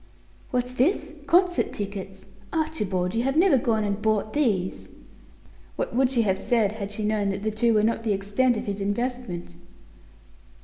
"What's this? Concert tickets! Archibald, you have never gone and bought these!" What would she have said had she known that the two were not the extent of his investment?